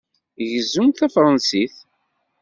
Gezzunt tafṛensit?